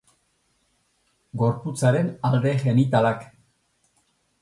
Gorputzaren alde genitalak.